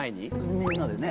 みんなでね。